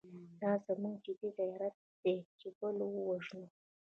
دا زموږ جدي غیرت دی چې بل ووژنو.